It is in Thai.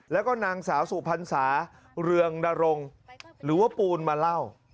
แล้วก็นางสาวสุพรรษาเรืองนรงหรือว่าปูนมาเล่า